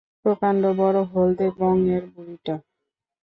প্রকাণ্ড বড় হলদে বঙের বুড়িটা।